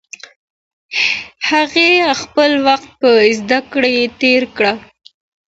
هغې خپل وخت په زده کړه تېر کړ.